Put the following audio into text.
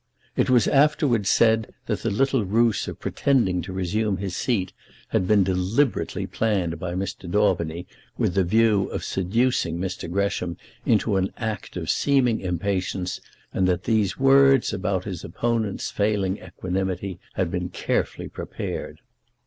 It was afterwards said that the little ruse of pretending to resume his seat had been deliberately planned by Mr. Daubeny with the view of seducing Mr. Gresham into an act of seeming impatience, and that these words about his opponent's failing equanimity had been carefully prepared.